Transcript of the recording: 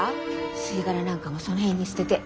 吸い殻なんかもその辺に捨てて。